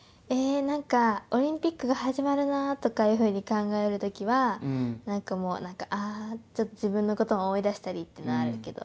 オリンピックが始まるなとかいうふうに考えるときはなんか、ああちょっと自分のことも思い出したりとかはあるけど。